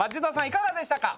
いかがでしたか？